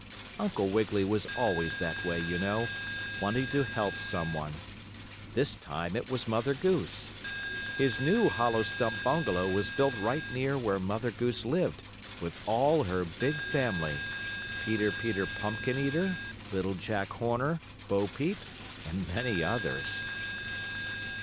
Uncle Wiggily was always that way, you know, wanting to help some one. This time it was Mother Goose. His new hollow stump bungalow was built right near where Mother Goose lived, with all her big family; Peter Peter Pumpkin Eater, Little Jack Horner, Bo Peep and many others.